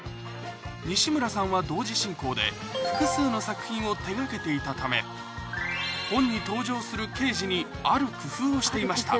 西村さんは同時進行で複数の作品を手掛けていたため本に登場する刑事にある工夫をしていました